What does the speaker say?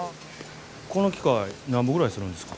この機械なんぼぐらいするんですか？